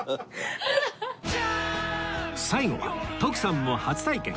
最後は徳さんも初体験！